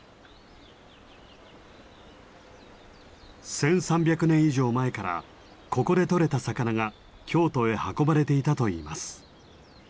１，３００年以上前からここで取れた魚が京都へ運ばれていたといいます。